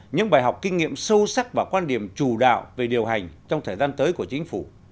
những bài học kinh nghiệm sâu sắc và quan điểm chủ đạo về điều hành trong thời gian tới của chính phủ